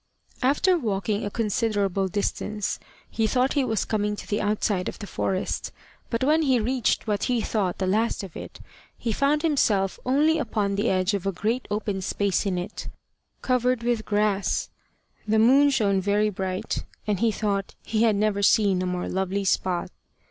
After walking a considerable distance, he thought he was coming to the outside of the forest; but when he reached what he thought the last of it, he found himself only upon the edge of a great open space in it, covered with grass. The moon shone very bright, and he thought he had never seen a more lovely spot.